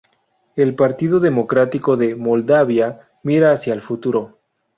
El Partido Democrático de Moldavia mira hacia al futuro.